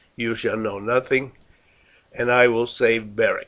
You shall know nothing, and I will save Beric."